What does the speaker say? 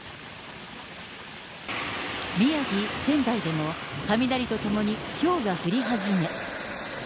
宮城・仙台でも、雷とともにひょうが降り始め。